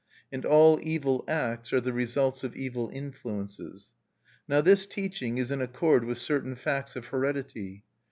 And all evil acts are the results of evil influences. Now this teaching is in accord with certain facts of heredity.